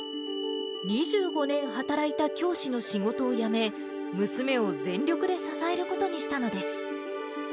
２５年働いた教師の仕事を辞め、娘を全力で支えることにしたのです。